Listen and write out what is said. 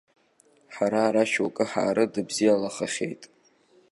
Ҳара ара шьоукы ҳаарыдыбзиалахахьеит.